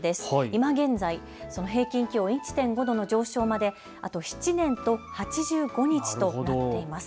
今現在、平均気温１．５度の上昇まであと７年と８５日となっています。